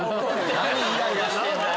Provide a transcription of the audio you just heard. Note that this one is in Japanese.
何イライラしてんだよ！